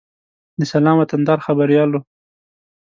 د سلام وطندار خبریال و.